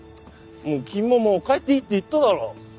君ももう帰っていいって言っただろ。